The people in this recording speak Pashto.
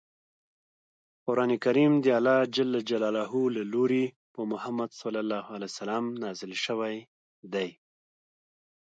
قران کریم د الله ج له لورې په محمد ص نازل شوی دی.